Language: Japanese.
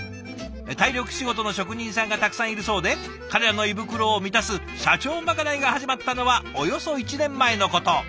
体力仕事の職人さんがたくさんいるそうで彼らの胃袋を満たす社長まかないが始まったのはおよそ１年前のこと。